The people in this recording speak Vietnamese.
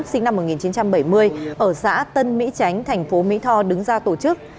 sinh năm một nghìn chín trăm bảy mươi ở xã tân mỹ chánh thành phố mỹ tho đứng ra tổ chức